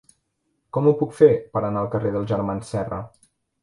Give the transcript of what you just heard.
Com ho puc fer per anar al carrer dels Germans Serra?